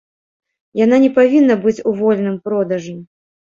Яна не павінна быць у вольным продажы.